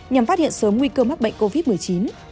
nhằm phát hiện sớm nguy cơ mắc bệnh covid một mươi chín